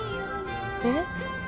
えっ？